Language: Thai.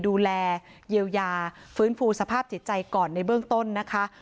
ดูแลเยียวยาฟื้นฟูสภาพจิตใจก่อนในเบื้องต้นนะคะ